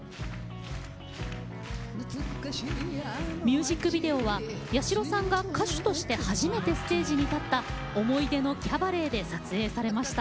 ミュージックビデオは八代さんが歌手として初めてステージに立った思い出のキャバレーで撮影されました。